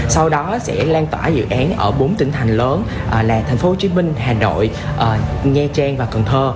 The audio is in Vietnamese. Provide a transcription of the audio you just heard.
sau đó sẽ lan tỏa dự án ở bốn tỉnh thành lớn là thành phố hồ chí minh hà nội nha trang và cần thơ